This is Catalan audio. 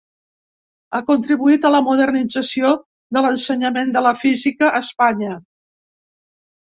Ha contribuït a la modernització de l'ensenyament de la Física a Espanya.